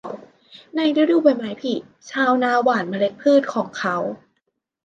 ในฤดูใบไม้ผลิ ชาวนาหว่านเมล็ดพืชของเขา